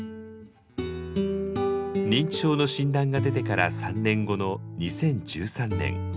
認知症の診断が出てから３年後の２０１３年。